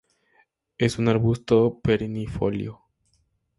Es un arbusto perennifolio.